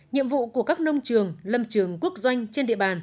nhiệm vụ của các nông trường lâm trường quốc doanh